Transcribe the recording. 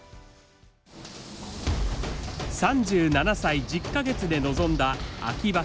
３７歳１０か月で臨んだ秋場所。